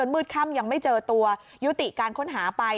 มืดค่ำยังไม่เจอตัวยุติการค้นหาไป